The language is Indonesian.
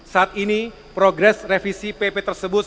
saat ini progres revisi pp tersebut